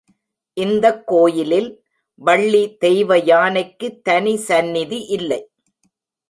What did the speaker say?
இந்தக் கோயிலில் வள்ளி தெய்வயானைக்குத் தனி சந்நிதி இல்லை.